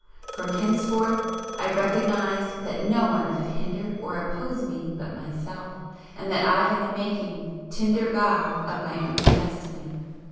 From henceforth I recognised that no one could hinder or oppose me but myself and that I had the making, tinder God, of my own destiny.